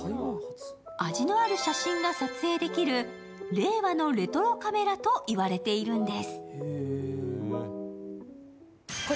味のある写真が撮影できる令和のレトロカメラといわれているんです。